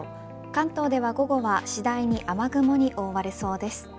関東では午後は次第に雨雲に覆われそうです。